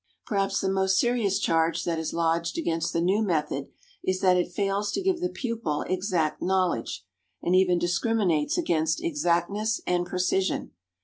Perhaps the most serious charge that is lodged against the new method is that it fails to give the pupil exact knowledge, and even discriminates against exactness and precision.